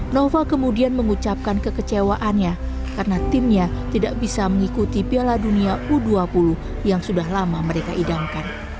nova kemudian mengucapkan kekecewaannya karena timnya tidak bisa mengikuti piala dunia u dua puluh yang sudah lama mereka idamkan